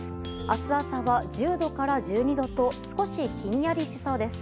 明日朝は１０度から１２度と少しひんやりしそうです。